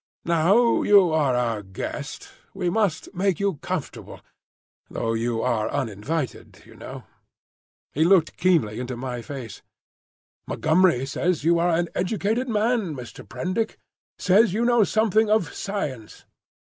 Now you are our guest, we must make you comfortable,—though you are uninvited, you know." He looked keenly into my face. "Montgomery says you are an educated man, Mr. Prendick; says you know something of science.